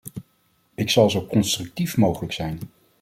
Ik zal zo constructief mogelijk zijn.